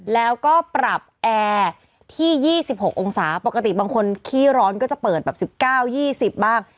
แล้วก็ปรับแอร์ที่๒๖องศาปกติบางคนขี้ร้อนก็จะเปิดแบบ๑๙๒๐บ้าง